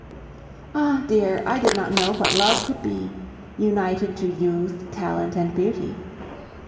Ah! dear, I did not know what love could be, united to youth, talent, and beauty.